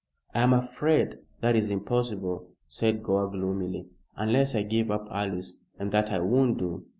"I am afraid that is impossible," said Gore, gloomily, "unless I give up Alice, and that I won't do."